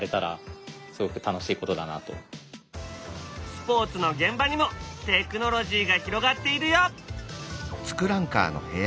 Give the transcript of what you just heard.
スポーツの現場にもテクノロジーが広がっているよ。